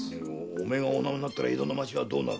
お前がお縄になったら江戸の町はどうなる？